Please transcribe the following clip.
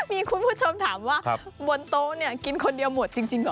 มีคุณผู้ชมถามว่าบนโต๊ะเนี่ยกินคนเดียวหมดจริงเหรอ